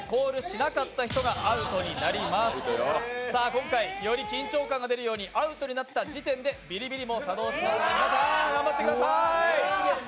今回より緊張感が出るようにアウトになった時点でビリビリも作動しますので、皆さん、頑張ってくださーい！